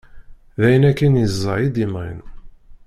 D ayen akken iẓẓa i d-imɣin.